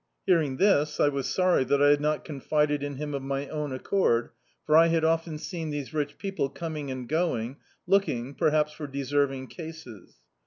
Hearing this I was sorry that I had not con* fided in him of my own accord, for I had often seen these rich people coming and going, looking, perhaps for deserving cases.